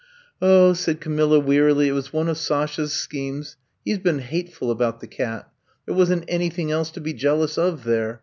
0h,'' said Camilla wearily, *4t was one of Sashays cchemes. He *s been hateful about the cat. There was n*t anything else to be jealous of there.